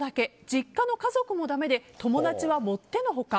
実家の家族もだめで友達はもっての外。